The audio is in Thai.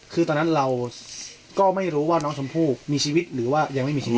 คือตอนนั้นเราก็ไม่รู้ว่าน้องชมพู่มีชีวิตหรือว่ายังไม่มีชีวิต